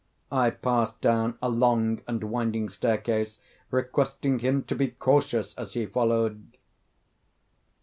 I passed down a long and winding staircase, requesting him to be cautious as he followed.